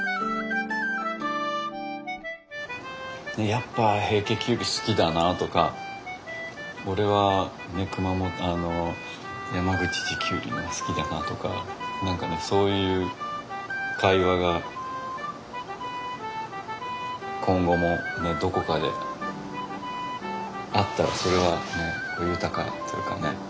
やっぱ平家キュウリ好きだなとか俺は山口地キュウリが好きだなとか何かねそういう会話が今後もどこかであったらそれは豊かというかね